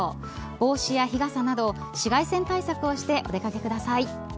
帽子や日傘など紫外線対策をしてお出掛けください。